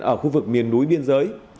ở khu vực miền núi biên giới